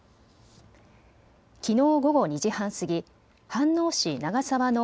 きのう午後２時半過ぎ飯能市長沢の